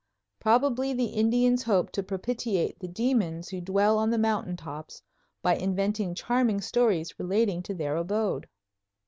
Probably the Indians hope to propitiate the demons who dwell on the mountain tops by inventing charming stories relating to their abode.